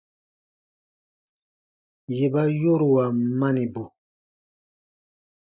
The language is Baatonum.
Yè ba yoruan manibu.